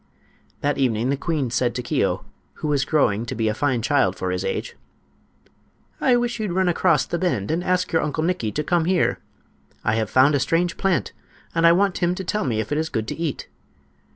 That evening the queen said to Keo, who was growing to be a fine child for his age: "I wish you'd run across the bend and ask your Uncle Nikki to come here. I have found a strange plant, and want him to tell me if it is good to eat."